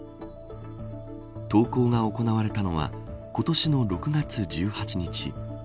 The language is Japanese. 投稿が行われたのは今年の６月１８日。